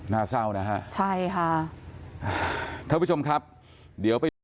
น่าเศร้านะครับท่านผู้ชมครับเดี๋ยวไป